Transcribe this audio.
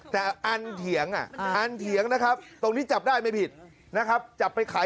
ไม่ได้จับตรงนี้ป้าย